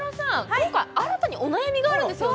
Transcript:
今回新たにお悩みがあるんですよね？